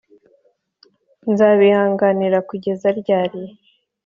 Nzabihanganira kugeza ryari?